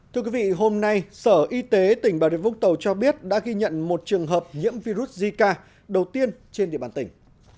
thưa quý vị hôm nay sở y tế tỉnh bà rịa vũng tàu cho biết đã ghi nhận một trường hợp nhiễm virus zika đầu tiên trên địa bàn tỉnh